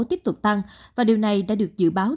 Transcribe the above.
tiếp tục tăng và điều này đã được dự báo